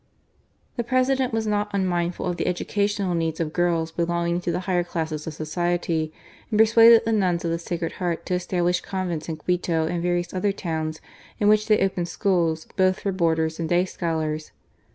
The President was not unmindful of the educational needs of girls belonging to the higher classes of society : and persuaded the Nuns of the Sacred Heart to establish convents in Quito and various other towns, in which they opened schools, both for boarders and day scholars.